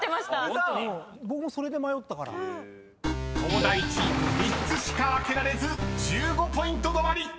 嘘⁉［東大チーム３つしか開けられず１５ポイント止まり！］